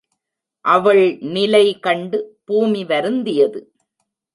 அவள்நிலை கண்டு பூமி வருந்தியது.